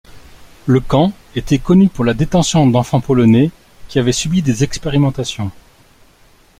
Le camp était connu pour la détention d'enfants polonais qui avaient subi des expérimentations.